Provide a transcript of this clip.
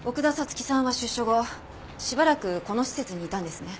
月さんは出所後しばらくこの施設にいたんですね？